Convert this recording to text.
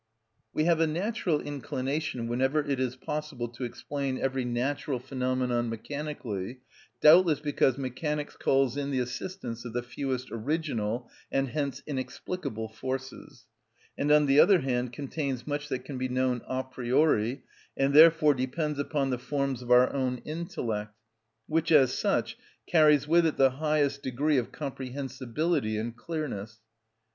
We have a natural inclination whenever it is possible to explain every natural phenomenon mechanically; doubtless because mechanics calls in the assistance of the fewest original, and hence inexplicable, forces, and, on the other hand, contains much that can be known a priori, and therefore depends upon the forms of our own intellect, which as such carries with it the highest degree of comprehensibility and clearness.